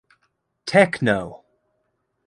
Techno!